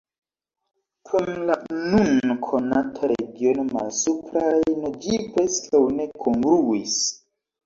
Kun la nun konata regiono Malsupra Rejno ĝi preskaŭ ne kongruis.